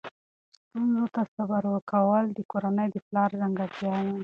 ستونزو ته صبر کول د کورنۍ د پلار ځانګړتیا ده.